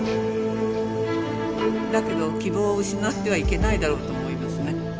だけど希望を失ってはいけないだろうと思いますね。